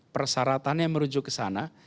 persaratannya merujuk ke sana